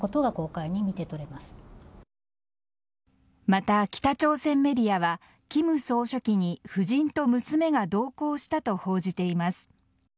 また、北朝鮮メディアは金総書記に夫人と娘が同行したと報じています。